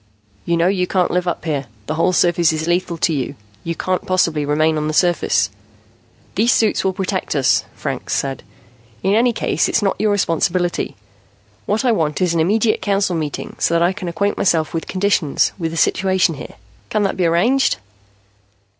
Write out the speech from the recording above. "You know you can't live up here. The whole surface is lethal to you. You can't possibly remain on the surface." "These suits will protect us," Franks said. "In any case, it's not your responsibility. What I want is an immediate Council meeting so I can acquaint myself with conditions, with the situation here. Can that be arranged?"